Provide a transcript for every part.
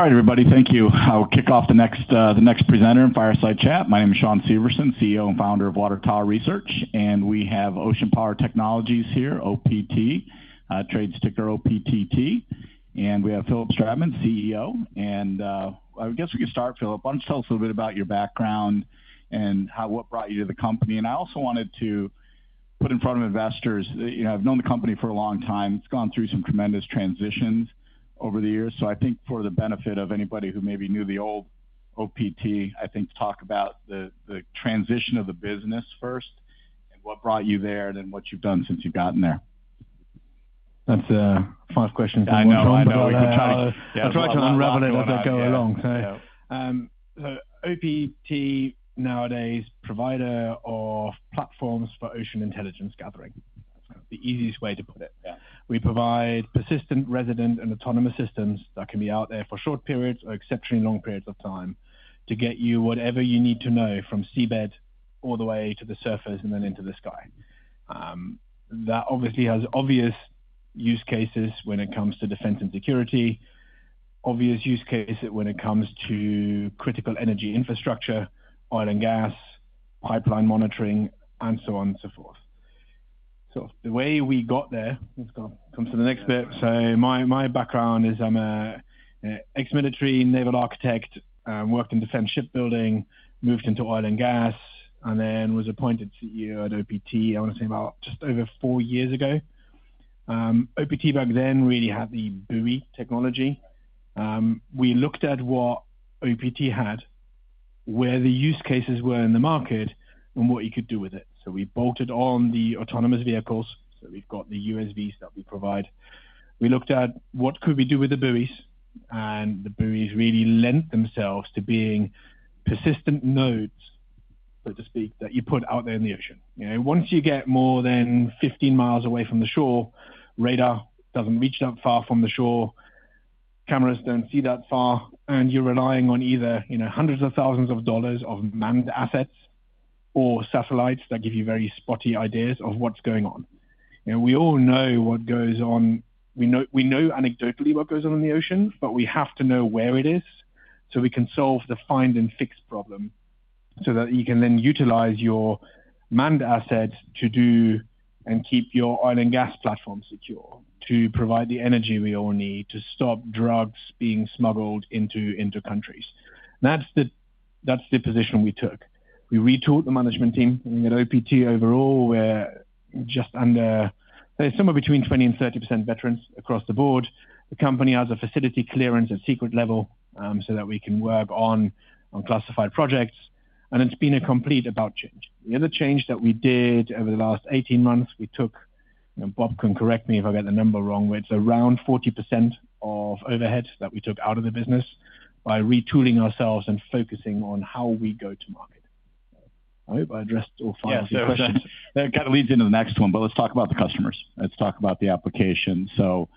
All right, everybody, thank you. I'll kick off the next presenter in Fireside Chat. My name is Shawn Severson, CEO and Founder of Water Tower Research. We have Ocean Power Technologies here, OPT, trade ticker OPTT. And we have Philipp Stratmann, CEO. And I guess we can start, Philipp. Why don't you tell us a little bit about your background and what brought you to the company? And I also wanted to put in front of investors, I've known the company for a long time. It's gone through some tremendous transitions over the years. So, I think for the benefit of anybody who maybe knew the old OPT, I think to talk about the transition of the business first and what brought you there and then what you've done since you've gotten there. That's a fun question. I know. I know. I'll try to unravel it as I go along. So, OPT nowadays, provider of platforms for ocean intelligence gathering. That's the easiest way to put it. We provide persistent, resident, and autonomous systems that can be out there for short periods or exceptionally long periods of time to get you whatever you need to know from seabed all the way to the surface and then into the sky. That obviously has obvious use cases when it comes to defense and security, obvious use cases when it comes to critical energy infrastructure, oil and gas, pipeline monitoring, and so on and so forth. So the way we got there, let's go on to the next bit. So my background is I'm an ex-military naval architect. I worked in defense shipbuilding, moved into oil and gas, and then was appointed CEO at OPT, I want to say, about just over four years ago. OPT back then really had the buoy technology. We looked at what OPT had, where the use cases were in the market, and what you could do with it. So we bolted on the autonomous vehicles. So we've got the USVs that we provide. We looked at what could we do with the buoys. And the buoys really lent themselves to being persistent nodes, so to speak, that you put out there in the ocean. Once you get more than 15mi away from the shore, radar doesn't reach that far from the shore, cameras don't see that far, and you're relying on either hundreds of thousands of dollars of manned assets or satellites that give you very spotty ideas of what's going on. We all know what goes on. We know anecdotally what goes on in the ocean, but we have to know where it is so we can solve the find-and-fix problem so that you can then utilize your manned assets to do and keep your oil and gas platform secure, to provide the energy we all need, to stop drugs being smuggled into countries. That's the position we took. We retooled the management team. At OPT overall, we're just under somewhere between 20% and 30% veterans across the board. The company has a facility clearance at Secret level so that we can work on classified projects, and it's been a complete about-face. The other change that we did over the last 18 months, we took, Bob can correct me if I get the number wrong, it's around 40% of overhead that we took out of the business by retooling ourselves and focusing on how we go to market. I hope I addressed all five of your questions. That kind of leads into the next one, but let's talk about the customers. Let's talk about the application. So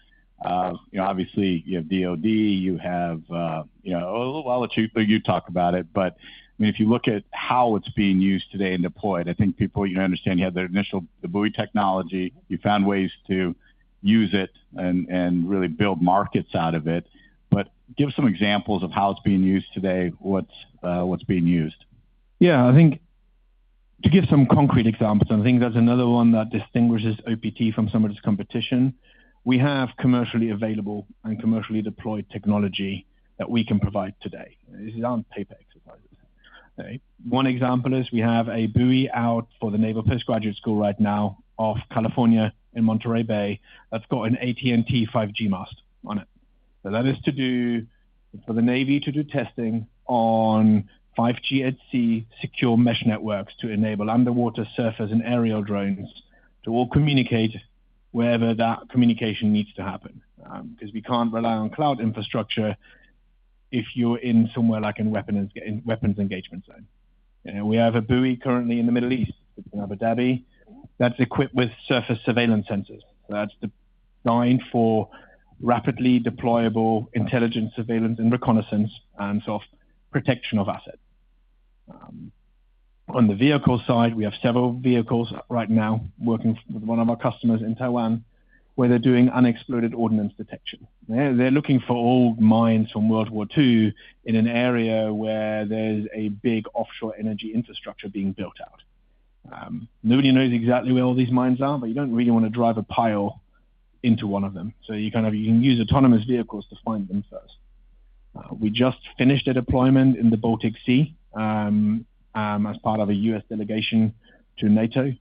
obviously, you have DoD. You have a little while that you talk about it. But if you look at how it's being used today and deployed, I think people understand you had the initial buoy technology. You found ways to use it and really build markets out of it. But give some examples of how it's being used today, what's being used. Yeah. I think to give some concrete examples, and I think that's another one that distinguishes OPT from some of its competition, we have commercially available and commercially deployed technology that we can provide today. This is on paper exercises. One example is we have a buoy out for the Naval Postgraduate School right now off California in Monterey Bay that's got an AT&T 5G mast on it. So that is to do for the Navy to do testing on 5G HC secure mesh networks to enable underwater, surface and aerial drones to all communicate wherever that communication needs to happen. Because we can't rely on cloud infrastructure if you're in somewhere like a weapons engagement zone. We have a buoy currently in the Middle East, in Abu Dhabi, that's equipped with surface surveillance sensors. That's designed for rapidly deployable intelligence surveillance and reconnaissance and sort of protection of assets. On the vehicle side, we have several vehicles right now working with one of our customers in Taiwan where they're doing unexploded ordnance detection. They're looking for old mines from World War II in an area where there's a big offshore energy infrastructure being built out. Nobody knows exactly where all these mines are, but you don't really want to drive a pile into one of them. So, you can use autonomous vehicles to find them first. We just finished a deployment in the Baltic Sea as part of a U.S. delegation to NATO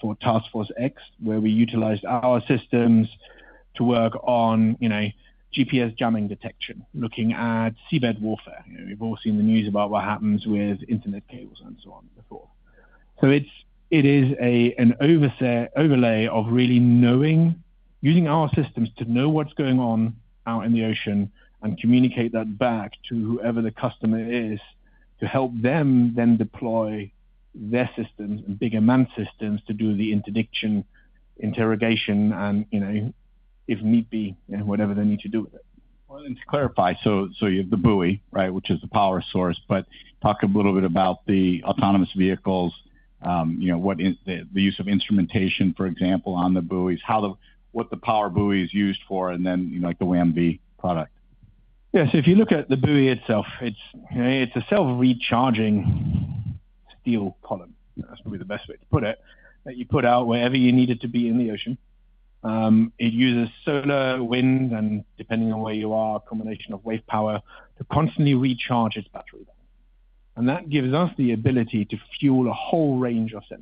for Task Force X, where we utilized our systems to work on GPS jamming detection, looking at seabed warfare. We've all seen the news about what happens with internet cables and so on before. It is an overlay of really knowing, using our systems to know what's going on out in the ocean and communicate that back to whoever the customer is to help them then deploy their systems and bigger manned systems to do the interdiction, interrogation, and if need be, whatever they need to do with it. To clarify, so you have the buoy, right, which is the power source. But talk a little bit about the autonomous vehicles, the use of instrumentation, for example, on the buoys, what the PowerBuoy is used for, and then the WAM-V product. Yeah. So if you look at the buoy itself, it's a self-recharging steel column. That's probably the best way to put it. That you put out wherever you need it to be in the ocean. It uses solar, wind, and depending on where you are, a combination of wave power to constantly recharge its battery. And that gives us the ability to fuel a whole range of sensors.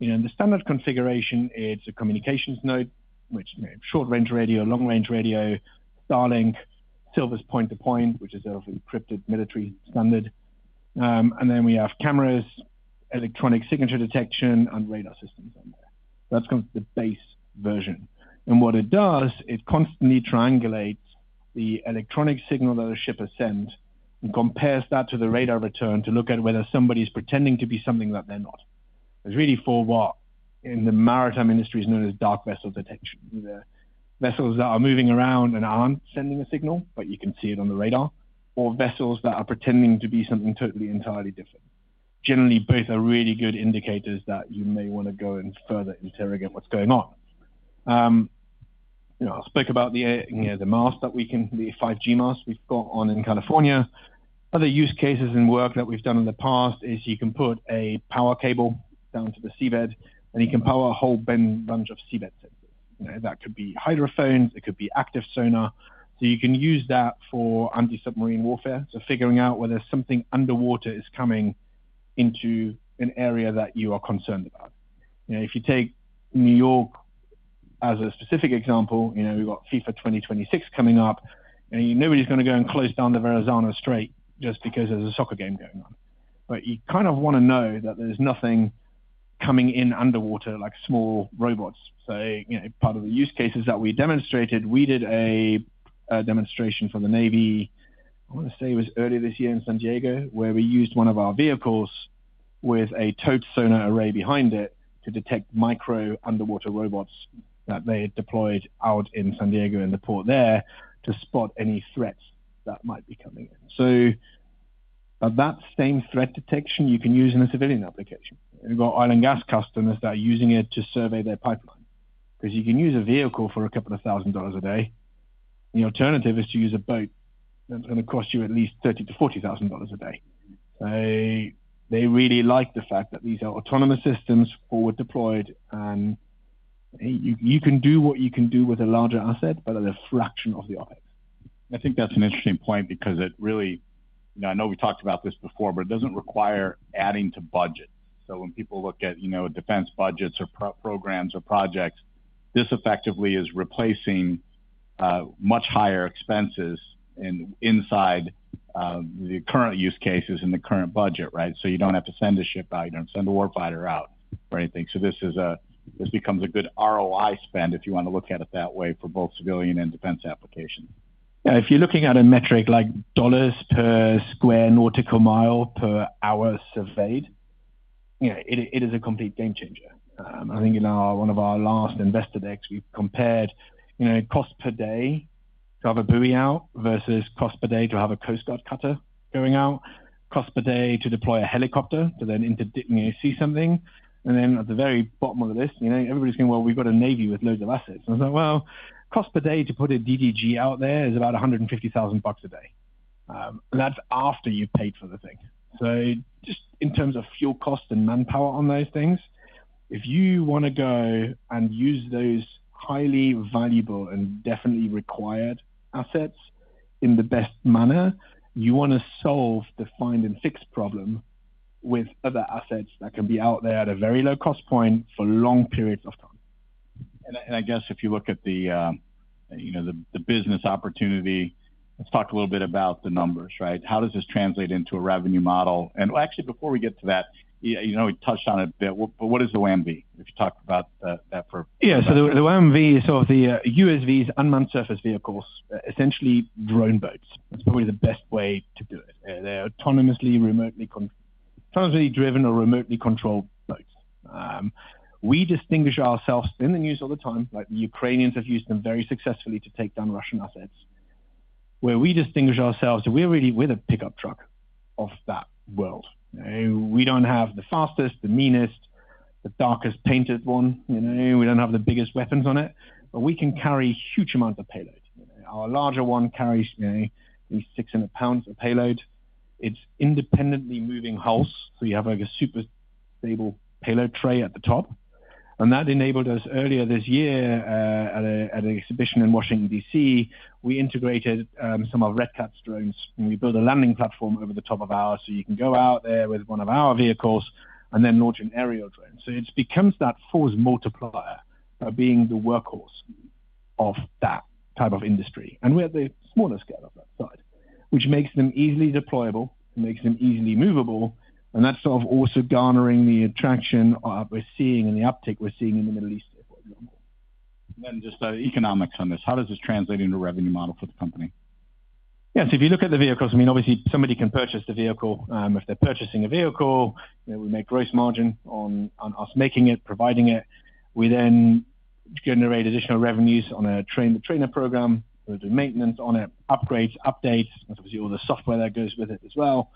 In the standard configuration, it's a communications node, which is short-range radio, long-range radio, Starlink, Silvus point-to-point, which is an encrypted military standard. And then we have cameras, electronic signature detection, and radar systems on there. That's kind of the base version. And what it does, it constantly triangulates the electronic signal that a ship has sent and compares that to the radar return to look at whether somebody is pretending to be something that they're not. There's really four, what in the maritime industry is known as dark vessel detection. Either vessels that are moving around and aren't sending a signal, but you can see it on the radar, or vessels that are pretending to be something totally, entirely different. Generally, both are really good indicators that you may want to go and further interrogate what's going on. I'll speak about the mast that we can, the 5G mast we've got on in California. Other use cases and work that we've done in the past is you can put a power cable down to the seabed, and you can power a whole bunch of seabed sensors. That could be hydrophones. It could be active sonar, so you can use that for anti-submarine warfare, so figuring out whether something underwater is coming into an area that you are concerned about. If you take New York as a specific example, we've got FIFA 2026 coming up. Nobody's going to go and close down the Verrazzano-Narrows just because there's a soccer game going on, but you kind of want to know that there's nothing coming in underwater like small robots, so part of the use cases that we demonstrated, we did a demonstration for the Navy, I want to say it was earlier this year in San Diego, where we used one of our vehicles with a towed sonar array behind it to detect micro underwater robots that they had deployed out in San Diego in the port there to spot any threats that might be coming in, so that same threat detection you can use in a civilian application. We've got oil and gas customers that are using it to survey their pipeline. Because you can use a vehicle for a couple of thousand dollars a day. The alternative is to use a boat. That's going to cost you at least $30,000-$40,000 a day. So they really like the fact that these are autonomous systems, forward deployed, and you can do what you can do with a larger asset, but at a fraction of the OpEx. I think that's an interesting point because it really, I know we talked about this before, but it doesn't require adding to budgets. So when people look at defense budgets or programs or projects, this effectively is replacing much higher expenses inside the current use cases and the current budget, right? So you don't have to send a ship out. You don't have to send a warfighter out or anything. So this becomes a good ROI spend if you want to look at it that way for both civilian and defense applications. Yeah. If you're looking at a metric like dollars per square nautical mile per hour surveyed, it is a complete game changer. I think in one of our last investor decks, we compared cost per day to have a buoy out versus cost per day to have a Coast Guard cutter going out, cost per day to deploy a helicopter to then see something. And then at the very bottom of the list, everybody's going, "Well, we've got a Navy with loads of assets." And I was like, "Well, cost per day to put a DDG out there is about $150,000 a day." And that's after you've paid for the thing. So just in terms of fuel cost and manpower on those things, if you want to go and use those highly valuable and definitely required assets in the best manner, you want to solve the find-and-fix problem with other assets that can be out there at a very low cost point for long periods of time. I guess if you look at the business opportunity, let's talk a little bit about the numbers, right? How does this translate into a revenue model? Actually, before we get to that, we touched on it a bit, but what is the WAM-V? If you talk about that for. Yeah. So the WAM-V is sort of the USVs, unmanned surface vehicles, essentially drone boats. That's probably the best way to do it. They're autonomously driven or remotely controlled boats. We distinguish ourselves in the news all the time. The Ukrainians have used them very successfully to take down Russian assets. Where we distinguish ourselves, we're really a pickup truck of that world. We don't have the fastest, the meanest, the darkest painted one. We don't have the biggest weapons on it. But we can carry huge amounts of payload. Our larger one carries at least 600 lbs of payload. It's independently moving hulls. So you have a super stable payload tray at the top. And that enabled us earlier this year at an exhibition in Washington, D.C., we integrated some of Red Cat's drones. We built a landing platform over the top of ours so you can go out there with one of our vehicles and then launch an aerial drone, so it becomes that force multiplier of being the workhorse of that type of industry, and we're at the smaller scale of that side, which makes them easily deployable, makes them easily movable, and that's sort of also garnering the attraction we're seeing and the uptake we're seeing in the Middle East, for example. Then just the economics on this. How does this translate into a revenue model for the company? Yeah. So if you look at the vehicles, I mean, obviously, somebody can purchase the vehicle. If they're purchasing a vehicle, we make gross margin on us making it, providing it. We then generate additional revenues on a train-the-trainer program. We'll do maintenance on it, upgrades, updates, obviously, all the software that goes with it as well.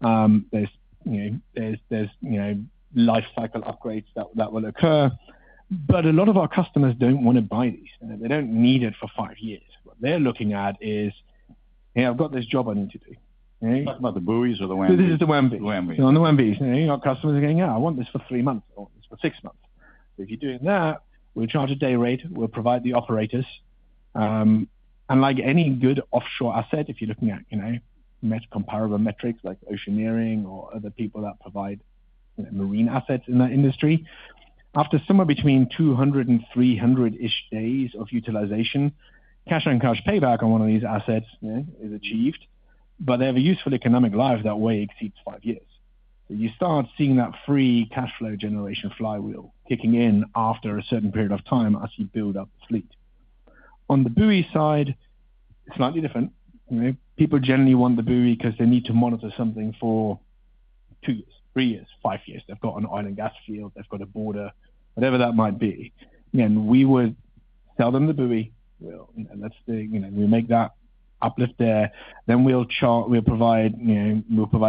There's life cycle upgrades that will occur. But a lot of our customers don't want to buy these. They don't need it for five years. What they're looking at is, "Hey, I've got this job I need to do. Talk about the buoys or the WAM-V. This is the WAM-V. The WAM-V. On the WAM-Vs, our customers are going, "Yeah, I want this for three months. I want this for six months." If you're doing that, we'll charge a day rate. We'll provide the operators, and like any good offshore asset, if you're looking at comparable metrics like Oceaneering or other people that provide marine assets in that industry, after somewhere between 200 and 300-ish days of utilization, cash on cash payback on one of these assets is achieved. But they have a useful economic life that way exceeds five years. So you start seeing that free cash flow generation flywheel kicking in after a certain period of time as you build up the fleet. On the buoy side, slightly different. People generally want the buoy because they need to monitor something for two years, three years, five years. They've got an oil and gas field. They've got a border, whatever that might be. Again, we would sell them the buoy. And that's the thing. We make that uplift there. Then we'll provide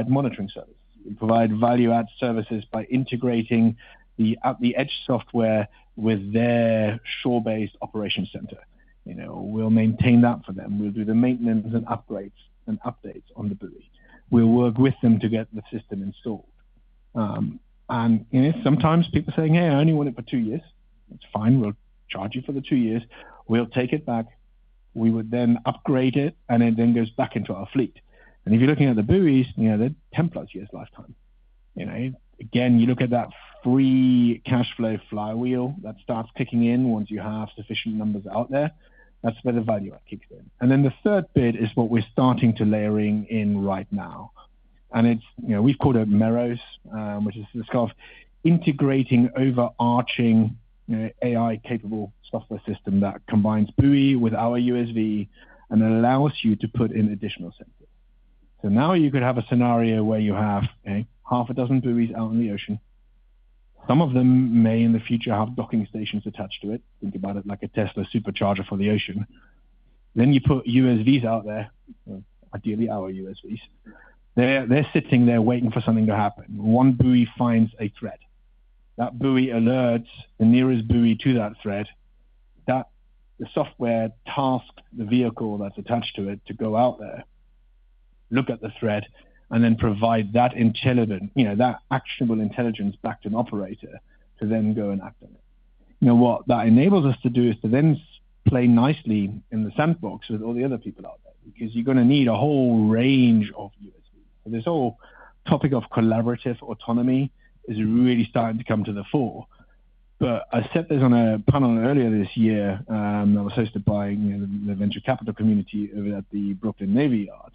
monitoring services. We'll provide value-add services by integrating the edge software with their shore-based operation center. We'll maintain that for them. We'll do the maintenance and upgrades and updates on the buoy. We'll work with them to get the system installed. And sometimes people saying, "Hey, I only want it for two years." It's fine. We'll charge you for the two years. We'll take it back. We would then upgrade it, and it then goes back into our fleet. And if you're looking at the buoys, they're 10 plus years lifetime. Again, you look at that free cash flow flywheel that starts kicking in once you have sufficient numbers out there. That's where the value-add kicks in. And then the third bit is what we're starting to layer in right now. And we've called it Merrows, which is the sort of integrating overarching AI-capable software system that combines buoy with our USV and allows you to put in additional sensors. So now you could have a scenario where you have half a dozen buoys out in the ocean. Some of them may in the future have docking stations attached to it. Think about it like a Tesla supercharger for the ocean. Then you put USVs out there, ideally our USVs. They're sitting there waiting for something to happen. One buoy finds a threat. That buoy alerts the nearest buoy to that threat. The software tasks the vehicle that's attached to it to go out there, look at the threat, and then provide that actionable intelligence back to an operator to then go and act on it. You know what that enables us to do is to then play nicely in the sandbox with all the other people out there because you're going to need a whole range of USVs. This whole topic of collaborative autonomy is really starting to come to the fore, but I sat there on a panel earlier this year. I was hosted by the venture capital community over at the Brooklyn Navy Yard.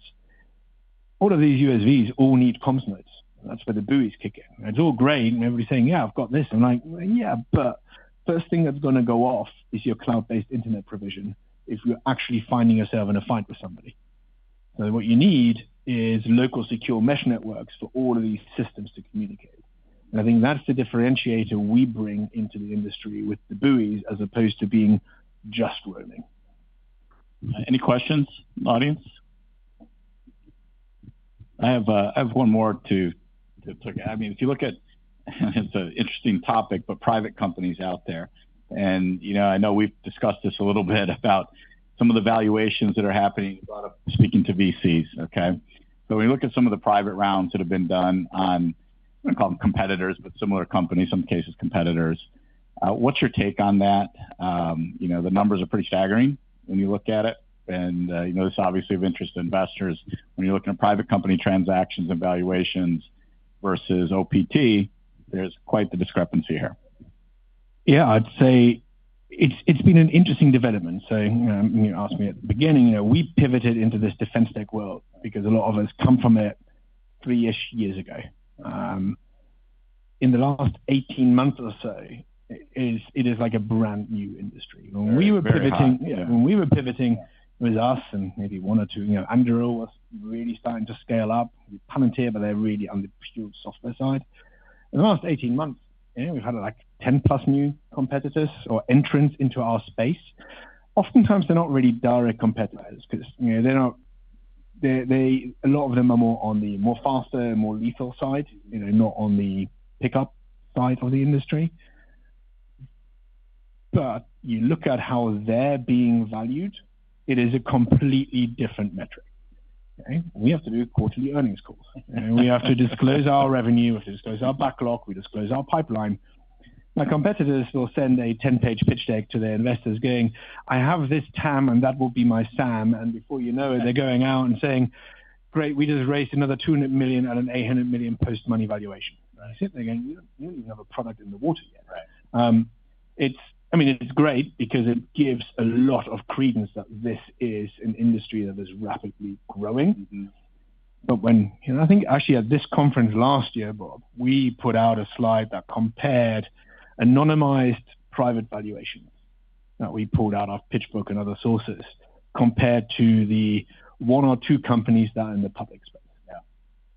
All of these USVs all need comms nodes. That's where the buoys kick in. It's all great. Everybody's saying, "Yeah, I've got this." I'm like, "Yeah, but first thing that's going to go off is your cloud-based internet provision if you're actually finding yourself in a fight with somebody." What you need is local secure mesh networks for all of these systems to communicate. I think that's the differentiator we bring into the industry with the buoys as opposed to being just roaming. Any questions, audience? I have one more to take. I mean, if you look at, it's an interesting topic, but private companies out there. I know we've discussed this a little bit about some of the valuations that are happening. Speaking to VCs, okay? When you look at some of the private rounds that have been done on, I'm going to call them competitors, but similar companies, some cases competitors, what's your take on that? The numbers are pretty staggering when you look at it. This is obviously of interest to investors. When you're looking at private company transactions and valuations versus OPT, there's quite the discrepancy here. Yeah, I'd say it's been an interesting development. So you asked me at the beginning, we pivoted into this defense tech world because a lot of us come from it three-ish years ago. In the last 18 months or so, it is like a brand-new industry. When we were pivoting, yeah, it was us and maybe one or two. Anduril was really starting to scale up. Palantir, but they're really on the pure software side. In the last 18 months, we've had like 10+ new competitors or entrants into our space. Oftentimes, they're not really direct competitors because a lot of them are more on the faster, more lethal side, not on the pickup side of the industry. But you look at how they're being valued, it is a completely different metric. We have to do quarterly earnings calls. We have to disclose our revenue. We have to disclose our backlog. We disclose our pipeline. My competitors will send a 10-page pitch deck to their investors going, "I have this TAM, and that will be my SAM." And before you know it, they're going out and saying, "Great, we just raised another $200 million at an $800 million post-money valuation." That's it. They're going, "You don't even have a product in the water yet." I mean, it's great because it gives a lot of credence that this is an industry that is rapidly growing. But when I think actually at this conference last year, Bob, we put out a slide that compared anonymized private valuations that we pulled out of PitchBook and other sources compared to the one or two companies that are in the public space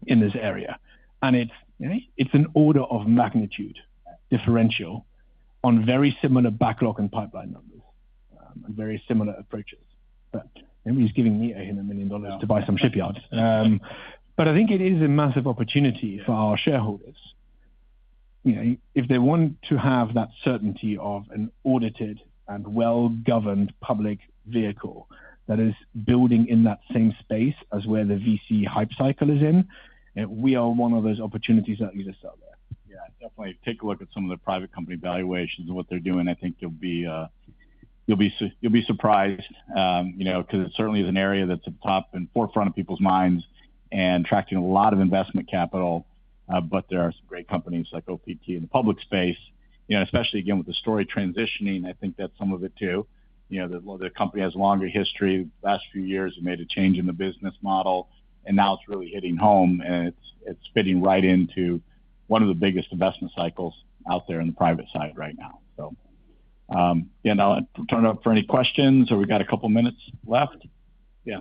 in this area. It's an order of magnitude differential on very similar backlog and pipeline numbers and very similar approaches. Nobody's giving me $800 million to buy some shipyards. I think it is a massive opportunity for our shareholders. If they want to have that certainty of an audited and well-governed public vehicle that is building in that same space as where the VC hype cycle is in, we are one of those opportunities that exist out there. Yeah. Definitely take a look at some of the private company valuations and what they're doing. I think you'll be surprised because it certainly is an area that's at the top and forefront of people's minds and attracting a lot of investment capital. But there are some great companies like OPT in the public space, especially again with the story transitioning. I think that's some of it too. The company has a longer history. The last few years have made a change in the business model, and now it's really hitting home, and it's fitting right into one of the biggest investment cycles out there in the private side right now. So yeah, I'll open it up for any questions. So, we've got a couple of minutes left. Yeah.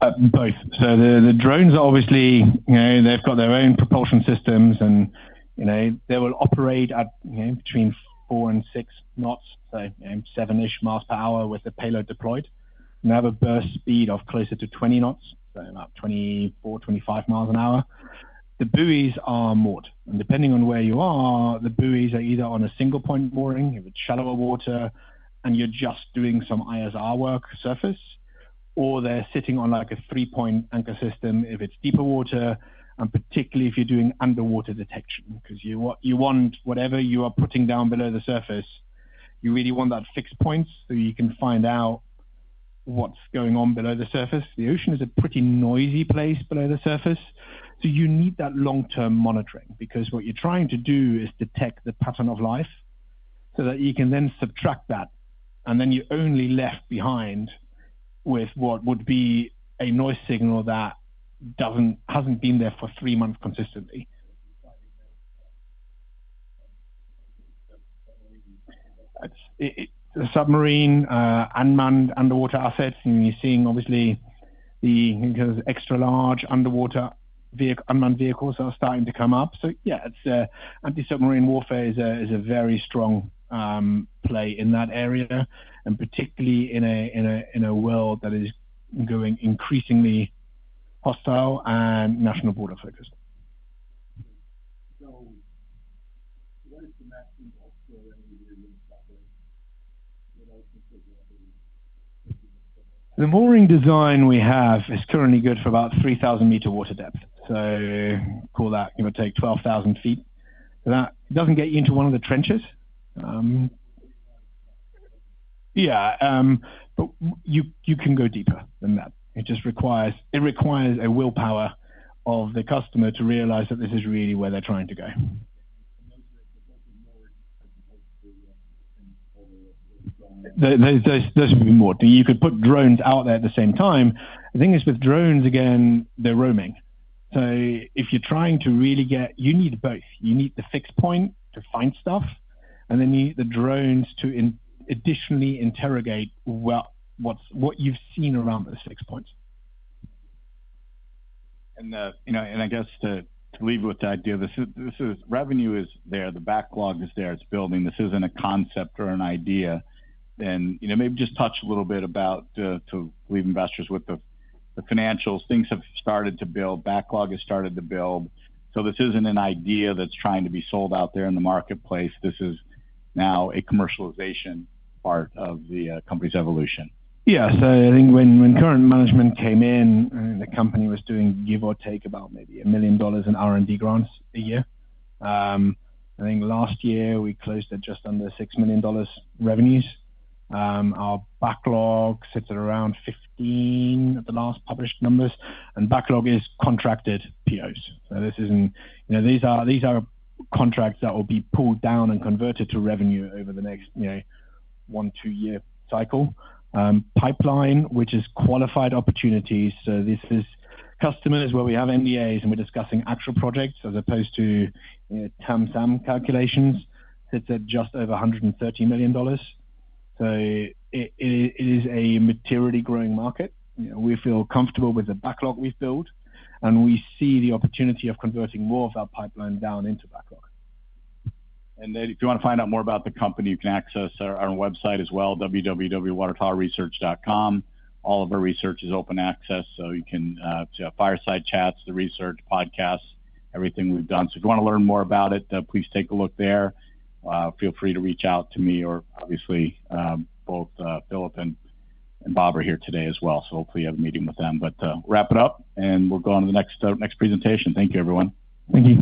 Both. The drones, obviously, they've got their own propulsion systems, and they will operate at between four and six knots, so seven-ish miles per hour with the payload deployed. They have a burst speed of closer to 20 knots, so about 24 mi-25 mi an hour. The buoys are moored and depending on where you are, the buoys are either on a single-point mooring if it's shallower water and you're just doing some ISR work surface, or they're sitting on like a three-point anchor system if it's deeper water, and particularly if you're doing underwater detection because you want whatever you are putting down below the surface, you really want that fixed point so you can find out what's going on below the surface. The ocean is a pretty noisy place below the surface. So, you need that long-term monitoring because what you're trying to do is detect the pattern of life so that you can then subtract that. And then you're only left behind with what would be a noise signal that hasn't been there for three months consistently. The submarine, unmanned underwater assets, and you're seeing obviously the extra-large unmanned vehicles are starting to come up. So yeah, anti-submarine warfare is a very strong play in that area, and particularly in a world that is going increasingly hostile and national border focused. The mooring design we have is currently good for about 3,000 m water depth. So call that, take 12,000 ft. That doesn't get you into one of the trenches. Yeah. But you can go deeper than that. It requires a willpower of the customer to realize that this is really where they're trying to go. Those would be moored. You could put drones out there at the same time. The thing is with drones, again, they're roaming. So if you're trying to really get, you need both. You need the fixed point to find stuff, and then you need the drones to additionally interrogate what you've seen around those fixed points. I guess to leave with the idea, this revenue is there. The backlog is there. It's building. This isn't a concept or an idea. And maybe just touch a little bit about, to leave investors with the financials. Things have started to build. Backlog has started to build. So this isn't an idea that's trying to be sold out there in the marketplace. This is now a commercialization part of the company's evolution. Yeah. So I think when current management came in, the company was doing give or take about maybe $1 million in R&D grants a year. I think last year we closed at just under $6 million revenues. Our backlog sits at around $15 million at the last published numbers. And backlog is contracted POs. So these are contracts that will be pulled down and converted to revenue over the next one- to two-year cycle. Pipeline, which is qualified opportunities. So, this customer is where we have NDAs, and we're discussing actual projects as opposed to TAM SAM calculations, sits at just over $130 million. So it is a materially growing market. We feel comfortable with the backlog we've built, and we see the opportunity of converting more of that pipeline down into backlog. And if you want to find out more about the company, you can access our website as well, www.watertowerresearch.com. All of our research is open access. So, you can see our fireside chats, the research, podcasts, everything we've done. So, if you want to learn more about it, please take a look there. Feel free to reach out to me. Or obviously, both Philip and Bob are here today as well. So hopefully you have a meeting with them. But wrap it up, and we'll go on to the next presentation. Thank you, everyone. Thank you.